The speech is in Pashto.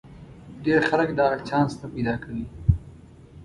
ډېر خلک د هغه چانس نه پیدا کوي.